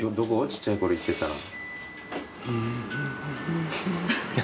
ちっちゃいころ行ってたの。